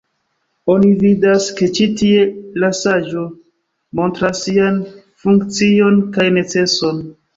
Oni vidas ke ĉi tie la saĝo montras sian funkcion kaj neceson.